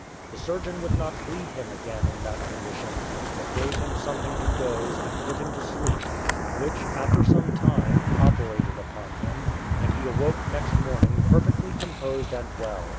The surgeon would not bleed him again in that condition, but gave him something to doze and put him to sleep; which, after some time, operated upon him, and he awoke next morning perfectly composed and well.